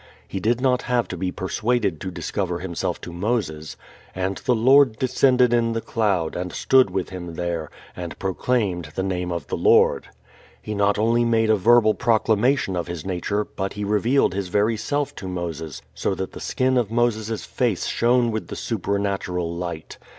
He did not have to be persuaded to discover Himself to Moses. "And the Lord descended in the cloud, and stood with him there, and proclaimed the name of the Lord." He not only made a verbal proclamation of His nature but He revealed His very Self to Moses so that the skin of Moses' face shone with the supernatural light.